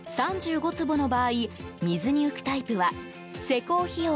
３５坪の場合、水に浮くタイプは施工費用